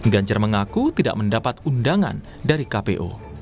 ganjar mengaku tidak mendapat undangan dari kpu